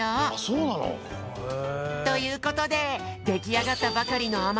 そうなの！？ということでできあがったばかりのあ